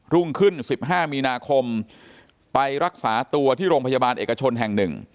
รุ่งขึ้น๑๕มีนาคมไปรักษาตัวที่โรงพยาบาลเอกชนแห่ง๑